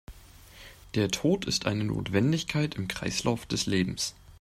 Der Tod ist eine Notwendigkeit im Kreislauf des Lebens.